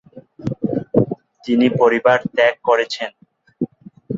তিনি পরিবার ত্যাগ করেছেন।